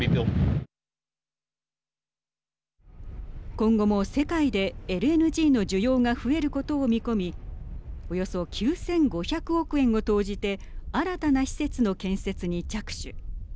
今後も世界でＬＮＧの需要が増えることを見込みおよそ９５００億円を投じて新たな施設の建設に着手。